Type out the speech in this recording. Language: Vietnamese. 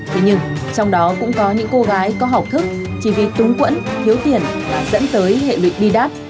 thế nhưng trong đó cũng có những cô gái có học thức chỉ vì túng quẫn thiếu tiền và dẫn tới hệ lụy bi đáp